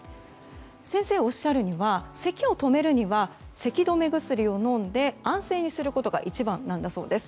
先生がおっしゃるにはせきを止めるにはせき止め薬を飲んで安静にすることが一番なんだそうです。